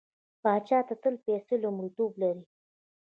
پاچا ته تل پيسه لومړيتوب لري.